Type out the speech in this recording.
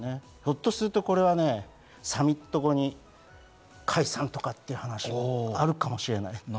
ひょっとすると、これはサミット後に解散とかっていう話もあるかもしれない。